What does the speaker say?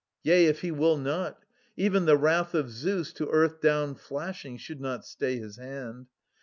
* Yea, if he will not ! '—Even the Wrath of Zeus To earth down flashing, should not stay his hand.